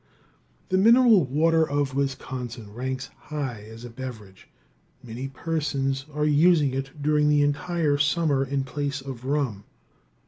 ] The mineral water of Wisconsin ranks high as a beverage. Many persons are using it during the entire summer in place of rum.